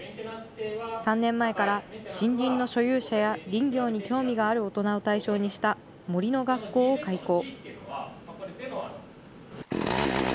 ３年前から森林の所有者や林業に興味がある大人を対象にした森の学校を開講。